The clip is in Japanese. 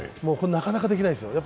なかなかできないですよ。